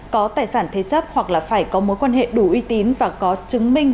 có tài sản thế chấp hoặc là phải có mối quan hệ đủ uy tín và có chứng minh